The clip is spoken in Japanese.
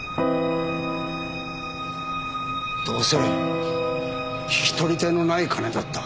どうせ引き取り手のない金だった。